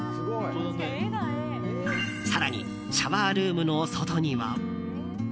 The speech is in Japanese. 更に、シャワールームの外には。